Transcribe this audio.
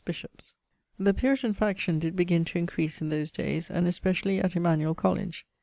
bishops). The Puritan faction did begin to increase in those dayes, and especially at Emanuel College.